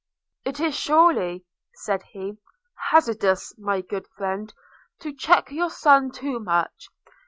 'It is surely,' said he, 'hazardous, my good friend, to check your son too much.